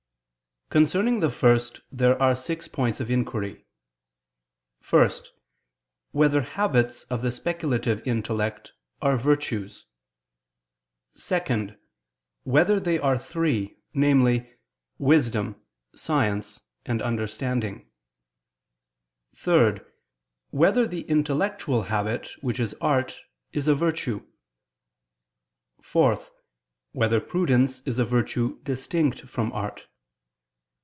Concerning the first there are six points of inquiry: (1) Whether habits of the speculative intellect are virtues? (2) Whether they are three, namely, wisdom, science and understanding? (3) Whether the intellectual habit, which is art, is a virtue? (4) Whether prudence is a virtue distinct from art?